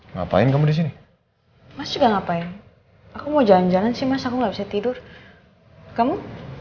ngapain kamu disini masih ngapain aku mau jalan jalan sih masa aku nggak bisa tidur kamu